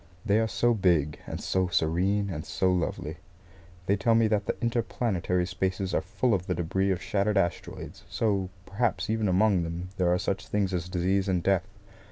They are so big, and so serene and so lovely. They tell me that the interplanetary spaces are full of the debris of shattered asteroids; so, perhaps, even among them there are such things as disease and death.